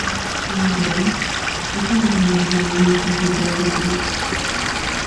Sin embargo, estas declaraciones no son siempre requeridas.